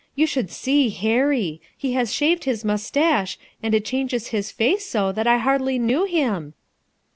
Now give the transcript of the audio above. You should see Hurry I ho has shaved his mustache, and it changes his face so that I hardly knew him."